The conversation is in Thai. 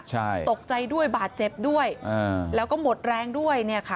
ใช่ตกใจด้วยบาดเจ็บด้วยอ่าแล้วก็หมดแรงด้วยเนี่ยค่ะ